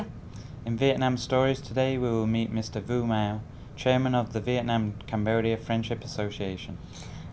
như thường lệ thì tiếp theo sẽ là tiểu mục chuyện xa xứ và nhắn gửi quê nhà sẽ kết thúc chương trình của chúng tôi ngày hôm nay